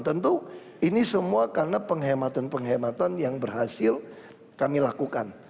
tentu ini semua karena penghematan penghematan yang berhasil kami lakukan